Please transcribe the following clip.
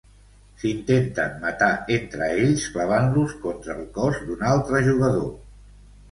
S'intenten matar entre ells clavant-los contra el cos d'un altre jugador.